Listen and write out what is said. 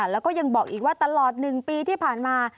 แล้วก็ยังบอกอีกว่าตลอด๑ปีที่ผ่านมา